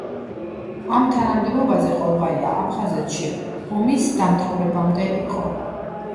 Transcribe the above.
ამ თანამდებობაზე ყოლბაია აფხაზეთში ომის დამთავრებამდე იყო.